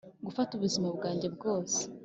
gufata ubuzima bwanjye bwose.